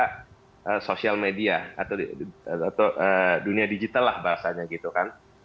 kemudian juga social media atau dunia digital lah bahasanya gitu kan